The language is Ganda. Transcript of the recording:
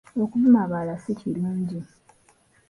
Okuvuma abalala si kirungi.